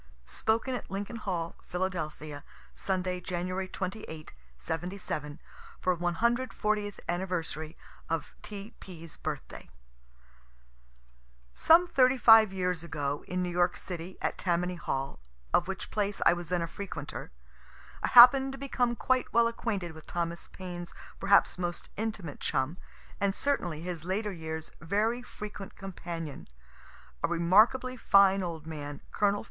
Spoken at Lincoln Hall, Philadelphia, Sunday, Jan. 28, '77, for 140th anniversary of T. P.'s birthday. Some thirty five years ago, in New York city, at Tammany hall, of which place I was then a frequenter, I happen'd to become quite well acquainted with Thomas Paine's perhaps most intimate chum, and certainly his later years' very frequent companion, a remarkably fine old man, Col.